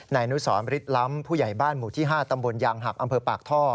นายอนุสรมฤทธล้ำผู้ใหญ่บ้านหมู่ที่๕ตำบลยางหักอำเภอปากท่อ